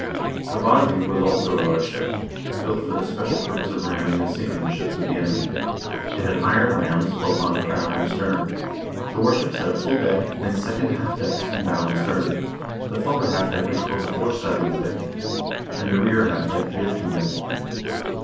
The barfii was also a large ship, built for the special purpose of ramming and sinking the ships of the enemy. It had iron rams, both on prow and stern. The warships had a full deck, and second half decks in bow and stern. The forward half deck was called the forstavnsdcek, and the rear half deck Ififtingen.